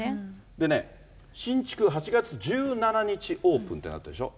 でね、新築８月１７日オープンってなってるでしょ。